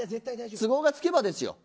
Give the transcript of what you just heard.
都合がつけばですよ。